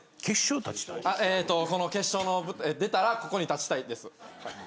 決勝の出たらここに立ちたいです。